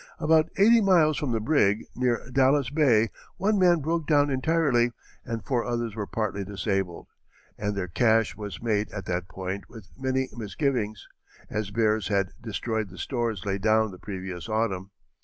About eighty miles from the brig, near Dallas Bay, one man broke down entirely and four others were partly disabled, and their cache was made at that point with many misgivings, as bears had destroyed the stores laid down the previous autumn.